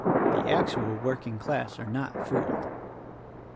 The actual working class are not fooled."